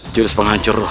jurus penghancur roh